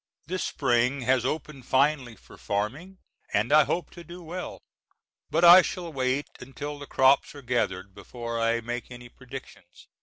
This Spring has opened finely for farming and I hope to do well; but I shall wait until the crops are gathered before I make any predictions.